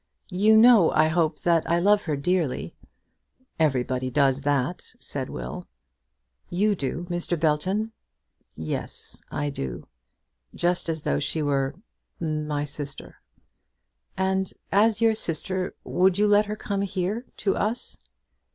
"You know, I hope, that I love her dearly." "Everybody does that," said Will. "You do, Mr. Belton." "Yes; I do; just as though she were my sister." "And as your sister would you let her come here, to us?"